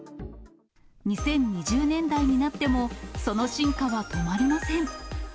２０２０年代になってもその進化は止まりません。